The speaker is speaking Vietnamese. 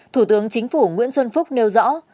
thủ tướng chính phủ nguyễn xuân phúc nêu rõ